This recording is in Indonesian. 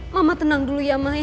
mama tenang dulu ya ma ya